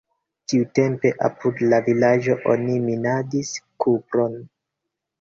Tiutempe apud la vilaĝo oni minadis kupron.